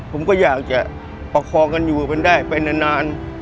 ผมก็อยากจะประคองกันอยู่มันได้ไปนาน